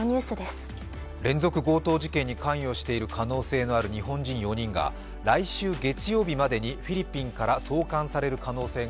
連続強盗事件に関与している可能性がある日本人４人が来週月曜日までにフィリピンから送還される可能性が